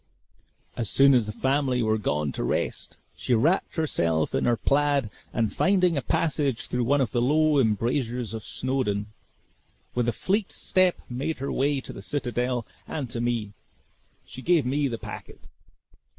As soon as the family were gone to rest, she wrapped herself in her plaid and finding a passage through one of the low embrasures of Snawdoun, with a fleet step made her way to the citadel and to me. She gave me the packet.